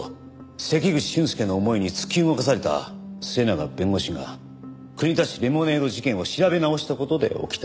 関口俊介の思いに突き動かされた末永弁護士が国立レモネード事件を調べ直した事で起きた。